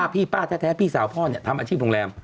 พี่ป้าแท้พี่สาวพ่อทำอาชีพโรงแรม